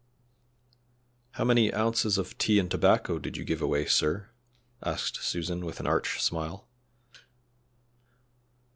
"How many ounces of tea and tobacco did you give away, sir?" asked Susan, with an arch smile.